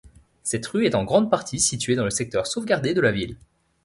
Cette rue est en grande partie située dans le secteur sauvegardé de la ville.